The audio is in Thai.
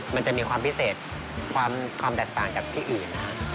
มันจะมีความพิเศษความแตกต่างจากที่อื่นนะครับ